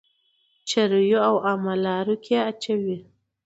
چريو او عامه لارو کي اچوئ.